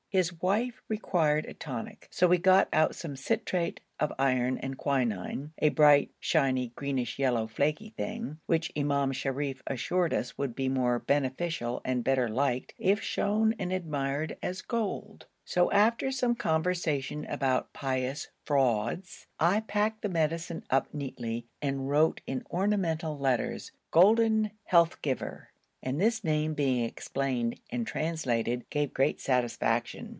His wife required a tonic, so we got out some citrate of iron and quinine, a bright, shiny, greenish yellow, flaky thing, which Imam Sharif assured us would be more beneficial and better liked if shown and admired as gold; so after some conversation about pious frauds, I packed the medicine up neatly and wrote in ornamental letters 'Golden Health Giver,' and this name being explained and translated gave great satisfaction.